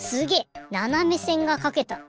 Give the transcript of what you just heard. ななめせんがかけた。